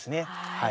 はい。